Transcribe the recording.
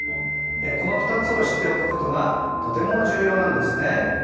この２つを知っておくことがとても重要なんですね。